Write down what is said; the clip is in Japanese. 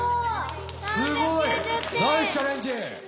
すごい。ナイスチャレンジ。